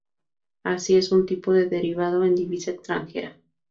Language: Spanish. Así, es un tipo de derivado en divisa extranjera.